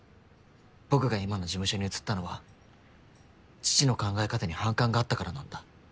僕が今の事務所に移ったのは父の考え方に反感があったからなんだ。